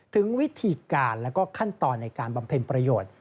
ถึงวิธีการแล้วก็ขั้นตอนในการบำเพ็ญประโยชน์